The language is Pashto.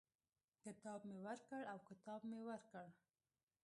کتاب مي ورکړ او کتاب مې ورکړ.